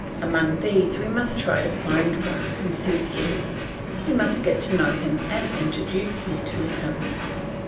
Among these we must try to find one who suits you, we must get to know him and introduce you to him.